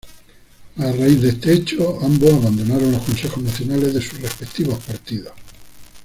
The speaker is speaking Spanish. A raíz de este hecho, ambos abandonaron los consejos nacionales de sus respectivos partidos.